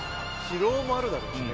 疲労もあるだろうしね。